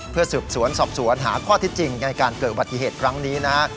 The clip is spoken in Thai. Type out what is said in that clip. เพื่อสืบสวนสอบสวนหาข้อที่จริงในการเกิดอุบัติเหตุครั้งนี้นะฮะ